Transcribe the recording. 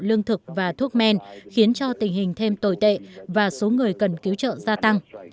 lương thực và thuốc men khiến cho tình hình thêm tồi tệ và số người cần cứu trợ gia tăng